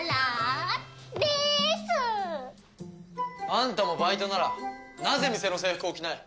あんたもバイトならなぜ店の制服を着ない？